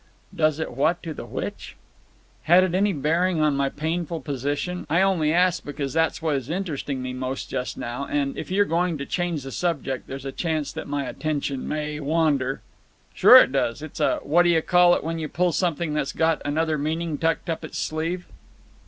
"Does it what to the which?" "Had it any bearing on my painful position? I only ask, because that's what is interesting me most just now, and, if you're going to change the subject, there's a chance that my attention may wander." "Sure it does. It's a—what d'you call it when you pull something that's got another meaning tucked up its sleeve?"